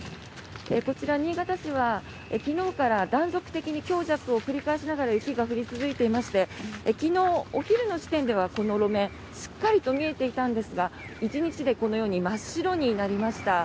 こちら、新潟市は昨日から断続的に強弱を繰り返しながら雪が降り続いていまして昨日お昼の時点ではこの路面しっかりと見えていたんですが１日でこのように真っ白になりました。